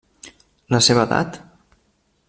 La seva edat?